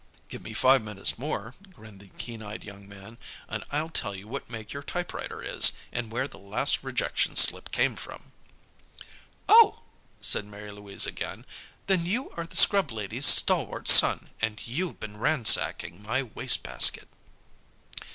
"Give me five minutes more," grinned the keen eyed young man, "and I'll tell you what make your typewriter is, and where the last rejection slip came from." "Oh!" said Mary Louise again. "Then you are the scrub lady's stalwart son, and you've been ransacking my waste basket."